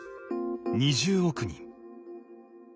２０億人。